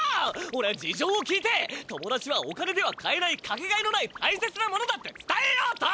おれはじじょうを聞いて友だちはお金では買えないかけがえのない大切なものだってつたえようと。